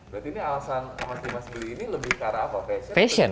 berarti ini alasan sama dimas beli ini lebih karena apa fashion